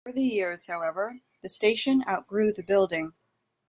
Over the years, however, the station outgrew the building.